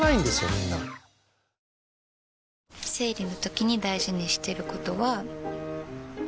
みんな生理のときに大事にしてることは。